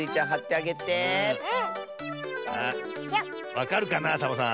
わかるかなサボさん。